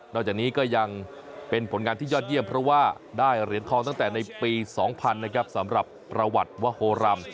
จากนี้ก็ยังเป็นผลงานที่ยอดเยี่ยมเพราะว่าได้เหรียญทองตั้งแต่ในปี๒๐๐นะครับสำหรับประวัติวโฮรัม